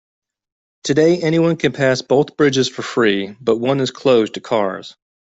Today, anyone can pass both bridges for free, but one is closed to cars.